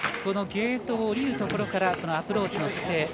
ゲートを降りるところからアプローチの姿勢